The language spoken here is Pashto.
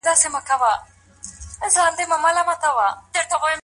ټولنپوهنه موږ ته د ژوند کولو هنر را زده کوي.